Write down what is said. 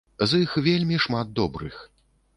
З іх вельмі шмат добрых.